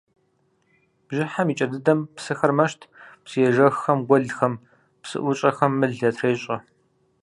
Бжьыхьэм и кӏэ дыдэм псыхэр мэщт – псыежэххэм, гуэлхэм, псыӏущӏэхэм мыл ятрещӏэ.